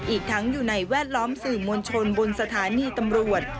อีกทั้งอยู่ในแวดล้อมสื่อมวลชนบนสถานีตำรวจ